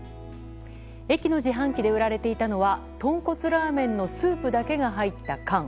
駅の自販機で売られていたのはとんこつラーメンのスープだけが入った缶。